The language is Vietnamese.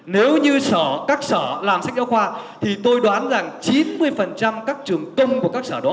nếu như các sở làm sách giáo khoa thì tôi đoán rằng chín mươi các trường công của các sở đó